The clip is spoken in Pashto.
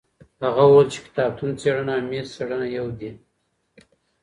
هغه وویل چي کتابتون څېړنه او میز څېړنه یو دي.